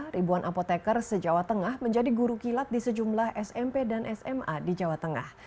ribuan apoteker se jawa tengah menjadi guru kilat di sejumlah smp dan sma di jawa tengah